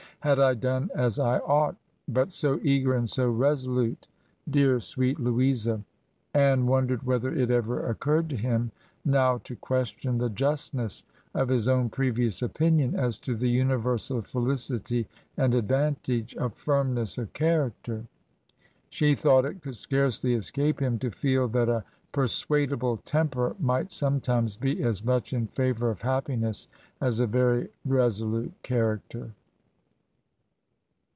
Had I done as I ought! But so eager and so resolute! Dear, sweet 56 Digitized by VjOOQIC ANNE ELLIOT AND CATHARINE MORLAND Louisa!' Anne wondered whether it ever occurred to him now to question the justness of his own previous opinion as to the universal fehcity and advantage of firmness of character. ... She thought it could scarcely escape him to fed that a persuadable temper might sometimes be as much in favor of happiness as a very resolute character."